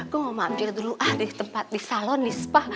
aku mau mapjur dulu ah di tempat di salon di spa